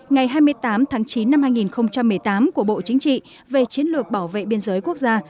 ngày hai mươi tám tháng chín năm hai nghìn một mươi tám của bộ chính trị về chiến lược bảo vệ biên giới quốc gia